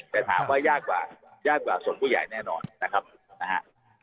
แต่ถามว่ายากกว่ายากกว่าส่วนผู้ใหญ่แน่นอนนะครับนะฮะ